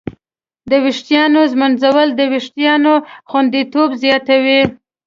د ویښتانو ږمنځول د وېښتانو خوندیتوب زیاتوي.